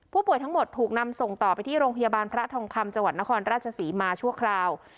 ผู้ป่วยทั้งหมดถูกนำส่งต่อไปที่โรงพยาบาลพระทองคำจังหวัดนครราชศรีมาชั่วคราว